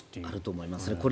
あると思いますね。